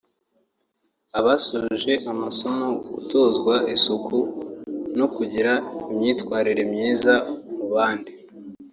Abasoje amasomo yo gutozwa isuku no kugira imyitwarire myiza mu bandi